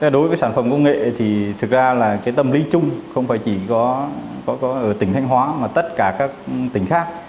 đối với sản phẩm công nghệ thì thực ra là tâm lý chung không phải chỉ có ở tỉnh thanh hóa mà tất cả các tỉnh khác